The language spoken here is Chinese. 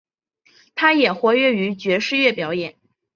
他也活跃于爵士乐表演。